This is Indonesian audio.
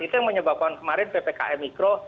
itu yang menyebabkan kemarin ppkm mikro